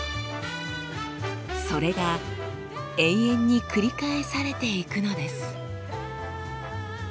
それが永遠に繰り返されていくのです。